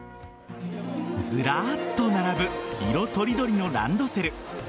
ずらっと並ぶ色とりどりのランドセル。